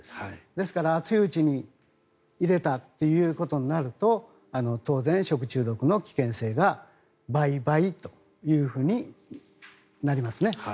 ですから、熱いうちに入れたっていうことになると当然、食中毒の危険性が倍々となりますね。